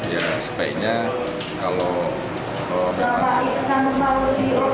ya sebaiknya kalau